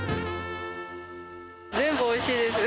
全部おいしいです。